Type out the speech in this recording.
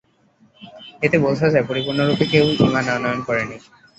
এতে বোঝা যায় পরিপূর্ণরূপে কেউ ঈমান আনয়ন করেনি।